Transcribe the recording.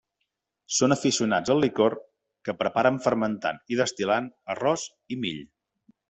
Són aficionats al licor que preparen fermentant i destil·lant arròs i mill.